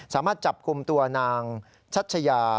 สามารถจับกลุ่มตัวนางชัชยา